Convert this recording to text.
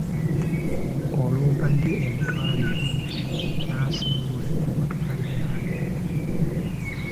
Olumpadde emitwalo ebiri n'asimbula emmotoka ye n'agenda.